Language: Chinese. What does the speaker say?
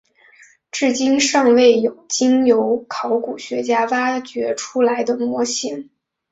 至今尚未有经由考古学家挖掘出来的模型。